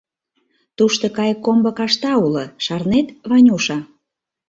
Тушто кайыккомбо кашта уло, шарнет, Ванюша?